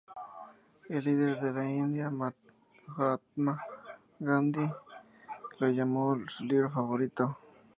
El líder de la India Mahatma Gandhi lo llamó su libro favorito.